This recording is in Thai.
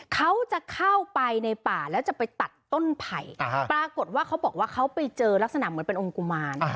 เขาจะเข้าไปในป่าแล้วจะไปตัดต้นไผ่ปรากฏว่าเขาบอกว่าเขาไปเจอลักษณะเหมือนเป็นองค์กุมาร